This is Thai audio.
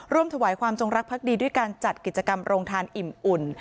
ถวายความจงรักภักดีด้วยการจัดกิจกรรมโรงทานอิ่มอุ่น